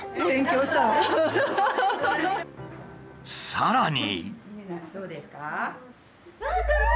さらに。